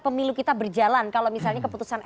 pemilu kita berjalan kalau misalnya keputusan